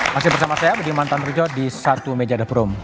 masih bersama saya bedi mantan rujo di satu meja deprum